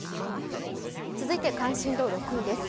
続いて関心度６位です。